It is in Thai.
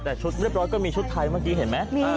แต่ชุดเรียบร้อยก็มีชุดไทยเมื่อกี้เห็นไหม